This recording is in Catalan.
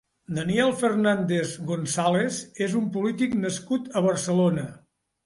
Daniel Fernández González és un polític nascut a Barcelona.